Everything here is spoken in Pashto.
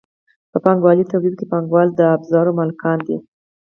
په پانګوالي تولید کې پانګوال د ابزارو مالکان دي.